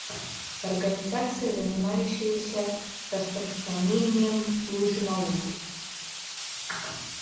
Организация, занимающаяся распространением лженауки.